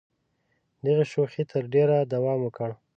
دغې شوخۍ تر ډېره دوام وکړ.